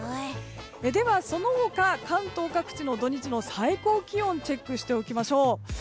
では、その他関東各地の土日の最高気温をチェックしておきましょう。